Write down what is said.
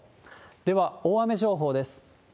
では、大雨情報です。